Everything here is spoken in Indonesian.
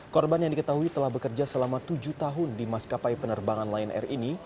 korban yang diketahui telah bekerja selama tujuh tahun di maskapai penerbangan lion air ini